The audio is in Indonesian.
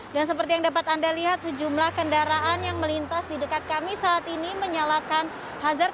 dan seperti yang dapat anda lihat sejumlah kendaraan yang melintas di dekat kami saat ini menyalakan hazard